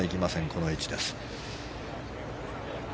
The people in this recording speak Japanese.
この位置です。